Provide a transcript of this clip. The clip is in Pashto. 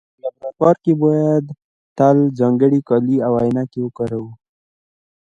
په لابراتوار کې باید تل ځانګړي کالي او عینکې وکاروو.